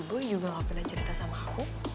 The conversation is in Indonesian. gue juga gak pernah cerita sama aku